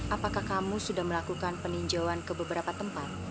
apakah kamu sudah melakukan peninjauan ke beberapa tempat